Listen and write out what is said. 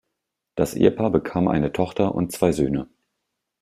Das Ehepaar bekam eine Tochter und zwei Söhne.